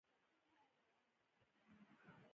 معنی انسان له خالي وجود نه ژغوري.